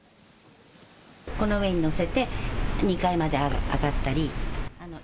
この上に乗せて２階まで上がったり。